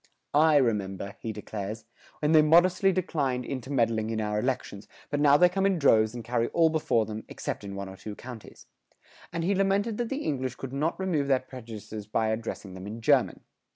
[109:4] "I remember," he declares, "when they modestly declined intermeddling in our elections, but now they come in droves and carry all before them, except in one or two counties;" and he lamented that the English could not remove their prejudices by addressing them in German.